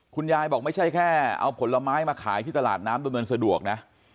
คุณยายบอกไม่ใช่แค่เอาผลไม้มาขายที่ตลาดน้ำดำเนินสะดวกนะ